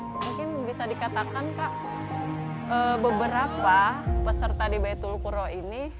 mungkin bisa dikatakan kak beberapa peserta di baitul kura ini